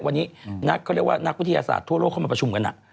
วันนี้นักวิทยาศาสตร์ทั่วโลกเข้ามาประชุมกัน